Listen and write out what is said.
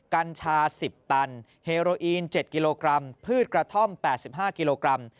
กัญชา๑๐ตันเฮโรอีน๗กิโลกรัมพืชกระท่อม๘๕กิโลกรัม